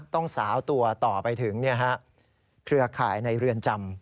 ต้องสาวตัวต่อไปถึงเครือข่ายในเรือนจำ